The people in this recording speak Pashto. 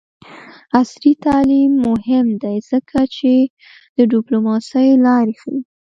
عصري تعلیم مهم دی ځکه چې د ډیپلوماسۍ لارې ښيي.